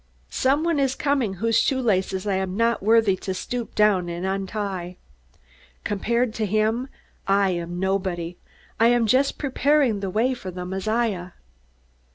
"Someone is coming whose shoe laces I am not worthy to stoop down and untie. Compared to him, I am nobody. I am just preparing the way for the Messiah."